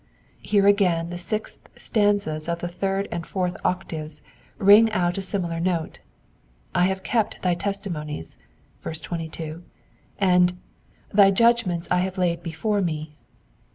Here again the sixth stanzas of the third and fourth octaves ring out a similar note. I have kept thy testimonies" (22), and '* Thy judgments have I laid before me."